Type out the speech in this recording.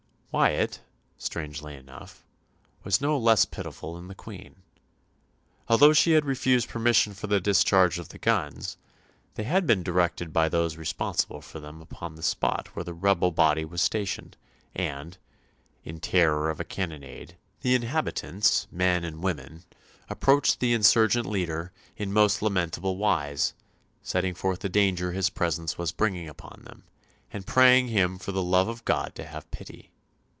Wyatt, strangely enough, was no less pitiful than the Queen. Although she had refused permission for the discharge of the guns, they had been directed by those responsible for them upon the spot where the rebel body was stationed; and, in terror of a cannonade, the inhabitants, men and women, approached the insurgent leader "in most lamentable wise," setting forth the danger his presence was bringing upon them, and praying him for the love of God to have pity.